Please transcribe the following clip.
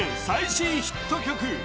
最新ヒット曲